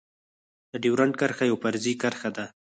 د ډيورند کرښه يوه فرضي کرښه ده.